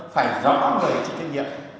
phải rõ ràng về trực tiếp nhiệm